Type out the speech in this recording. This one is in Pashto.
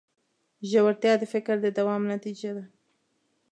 ژورتیا د فکر د دوام نتیجه ده.